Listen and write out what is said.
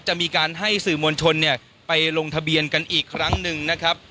จะมีการให้สื่อมวลชนเนี่ยไปลงทะเบียนกันอีกครั้งหนึ่งนะครับ